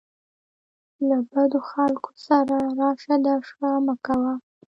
له بدو خلکو سره راشه درشه مه کوه.